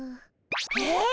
えっ？